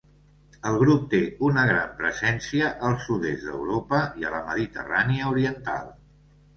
El grup té una gran presència al sud-est d'Europa i a la Mediterrània oriental.